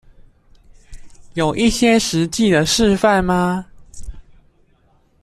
有一些實際的示範嗎